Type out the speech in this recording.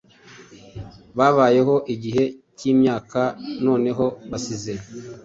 Babayeho igihe cyimyaka Noneho basize